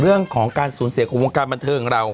เรื่องของการสูญเสียของวงการบันเทิงของเรา